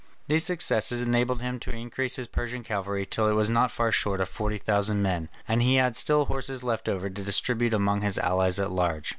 These successes enabled him to increase his Persian cavalry till it was not far short of forty thousand men, and he had still horses left over to distribute among his allies at large.